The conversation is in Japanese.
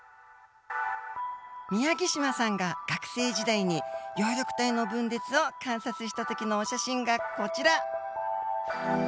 宮城島さんが学生時代に葉緑体の分裂を観察した時のお写真がこちら。